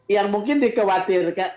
yang mungkin dikewatirkan